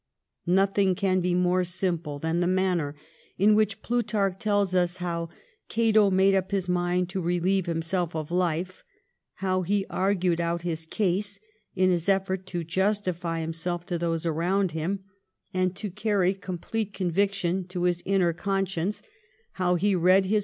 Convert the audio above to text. Nothing can be more simple than the manner in which Plutarch tells us how ' Cato ' made up his mind to relieve himself of life; how he argued out his own case in his effort to justify him self to those around him, and to carry complete conviction to his inner conscience ; how he read his 282 THE REIGN OF QUEEN ANNE. ch. xxxiy.